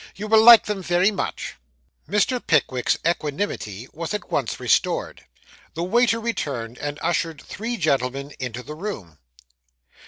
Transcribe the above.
You will like them very much.' Mr. Pickwick's equanimity was at once restored. The waiter returned, and ushered three gentlemen into the room.